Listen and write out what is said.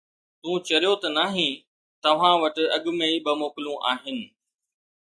تون چريو ته نه آهين؟ توهان وٽ اڳ ۾ ئي ٻه موڪلون آهن.